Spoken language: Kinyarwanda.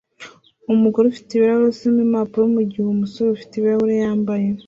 Umugore ufite ibirahure asoma impapuro mugihe umusore ufite ibirahuri yambaye